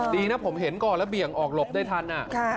ดีนะผมเห็นก่อนแล้วเบี่ยงออกหลบได้ทัน